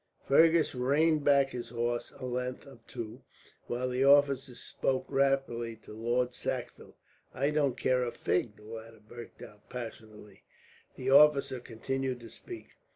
Fergus reined back his horse a length or two, while the officer spoke rapidly to Lord Sackville. "I don't care a fig," the latter burst out passionately. The officer continued to speak.